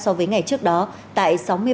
đối với các tiếp tục lắp này trong round hai